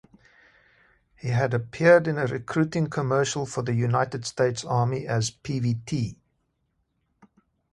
He had appeared in a recruiting commercial for the United States Army, as Pvt.